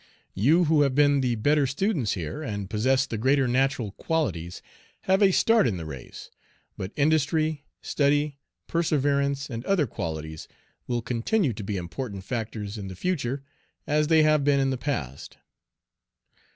You who have been the better students here, and possessed the greater natural qualities, have a start in the race; but industry, study, perseverance, and other qualities will continue to be important factors in the future, as they have been in the past.